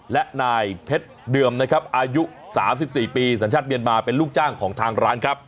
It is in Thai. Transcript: และนายเพชรเดื่อมนะครับอายุสามสิบสี่ปีสัญชาติเบียนบาร์เป็นลูกจ้างของทางร้านครับ